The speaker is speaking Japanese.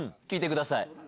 聞いてください？